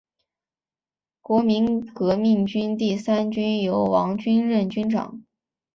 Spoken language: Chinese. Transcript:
国民革命军第三军由王均任军长。